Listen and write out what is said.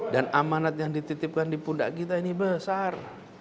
dan amanat yang dititipkan di pundak kita ini besar